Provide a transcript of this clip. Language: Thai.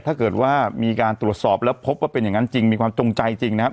ถ้าเกิดว่ามีการตรวจสอบแล้วพบว่าเป็นอย่างนั้นจริงมีความจงใจจริงนะครับ